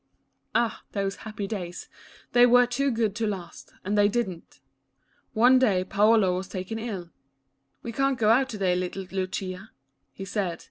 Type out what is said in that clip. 82 Lucia, the Organ Maiden. Ah, those happy days, they were too good to last, and they did n't. One day Paolo was taken ill. "We can't go out to day, little Lucia," he said.